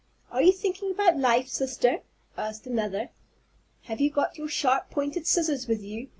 "Are you thinking about Life, sister?" asked another. "Have you got your sharp pointed scissors with you?"